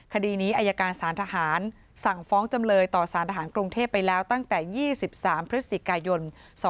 คดีนี้อายการสารทหารสั่งฟ้องจำเลยต่อสารทหารกรุงเทพไปแล้วตั้งแต่๒๓พฤศจิกายน๒๕๖๒